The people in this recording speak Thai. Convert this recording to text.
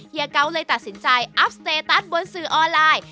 เกาเลยตัดสินใจอัพสเตตัสบนสื่อออนไลน์